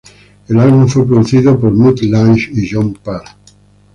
El álbum fue producido por Mutt Lange y John Parr.